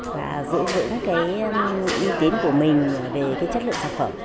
và giữ vững cái uy tín của mình về cái chất lượng sản phẩm